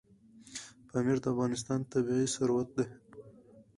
پامیر د افغانستان طبعي ثروت دی.